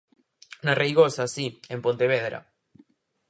Na Reigosa, si, en Pontevedra.